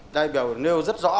đại biểu nêu rất rõ